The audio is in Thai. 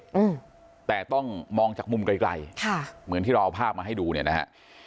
อืมแต่ต้องมองจากมุมไกลไกลค่ะเหมือนที่เราเอาภาพมาให้ดูเนี่ยนะฮะ